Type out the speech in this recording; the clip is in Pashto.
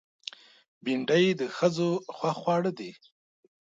بېنډۍ د ښځو خوښ خوړ دی